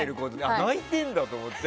泣いてんだと思って。